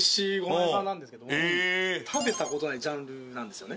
食べた事ないジャンルなんですよね。